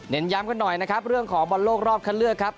ย้ำกันหน่อยนะครับเรื่องของบอลโลกรอบคันเลือกครับ